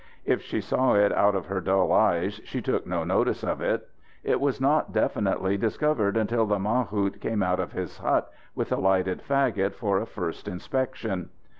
If she saw it out of her dull eyes, she took no notice of it. It was not definitely discovered until the mahout came out of his hut with a lighted fagot for a first inspection.